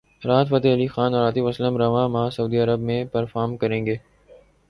راحت فتح علی خان اور عاطف اسلم رواں ماہ سعودی عرب میں پرفارم کریں گے